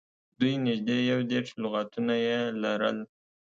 دوی نږدې یو دېرش لغاتونه یې لرل.